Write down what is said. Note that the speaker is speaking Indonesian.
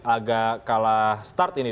agak kalah start ini